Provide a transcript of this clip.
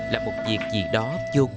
là một việc gì đó vô cùng phức tạp